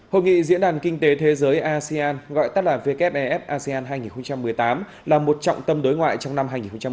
hội nghị diễn đàn kinh tế thế giới asean gọi tắt là wef asean hai nghìn một mươi tám là một trọng tâm đối ngoại trong năm hai nghìn một mươi chín